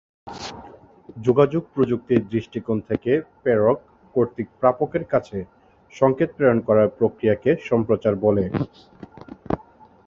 যোগাযোগ প্রযুক্তির দৃষ্টিকোণ থেকে প্রেরক কর্তৃক প্রাপকের কাছে সংকেত প্রেরণ করার প্রক্রিয়াটিকে সম্প্রচার বলে।